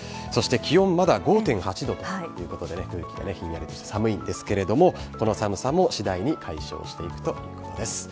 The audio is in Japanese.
そして気温まだ５．８度ということで、空気がひんやりとして寒いんですけれども、この寒さも次第に解消していくということです。